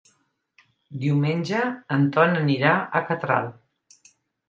Diumenge en Ton anirà a Catral.